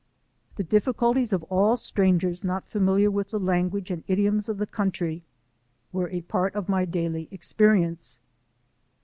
The difficulties of all strangers not familiar with the language and idioms of the country were a part of my daily experience.